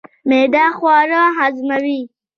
معده خواړه هضموي